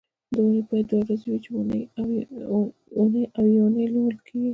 د اونۍ پای دوه ورځې وي چې اونۍ او یونۍ نومول کېږي